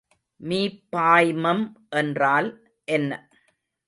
மீப்பாய்மம் என்றால் என்ன?